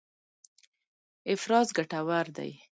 افراز ګټور دی.